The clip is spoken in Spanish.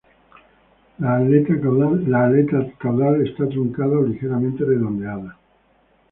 La aleta caudal es truncada o ligeramente redondeada.